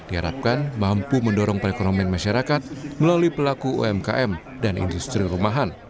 diharapkan mampu mendorong perekonomian masyarakat melalui pelaku umkm dan industri rumahan